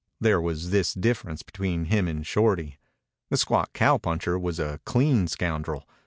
There was this difference between him and Shorty. The squat cowpuncher was a clean scoundrel.